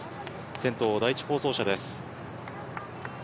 先頭、第１放送車です。